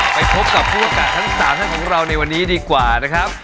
ไปพบกับผู้ประกาศทั้ง๓ท่านของเราในวันนี้ดีกว่านะครับ